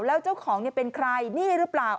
แล้วเจ้าของเป็นใครนี่หรือเปล่า